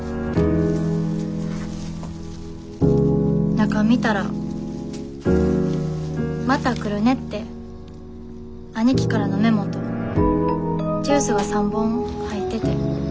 中見たら「また来るね」って兄貴からのメモとジュースが３本入ってて。